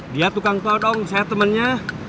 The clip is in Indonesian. dia tukang kau dong saya temennya